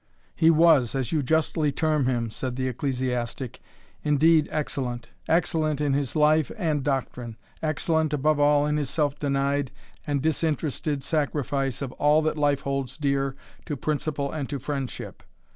"He was, as you justly term him," said the ecclesiastic, "indeed excellent excellent in his life and doctrine excellent, above all, in his self denied and disinterested sacrifice of all that life holds dear to principle and to friendship.